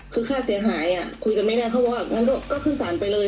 คือค่าเสียหายคุยกันไม่ได้เขาบอกว่างั้นก็ขึ้นสารไปเลย